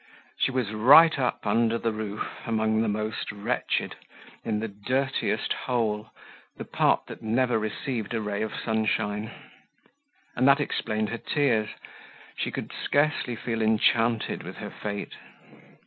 She was right up under the roof, among the most wretched, in the dirtiest hole, the part that never received a ray of sunshine. And that explained her tears; she could scarcely feel enchanted with her fate.